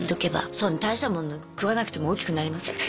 そんな大したもの食わなくても大きくなりますから。